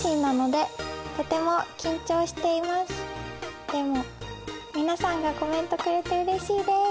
でも皆さんがコメントくれてうれしいです。